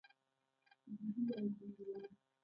جدي وايم انډيواله.